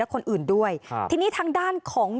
คือทาง